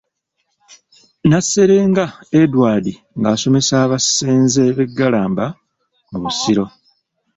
Naserenga Edward ng'asomesa abasenze b'e Galamba mu Busiro.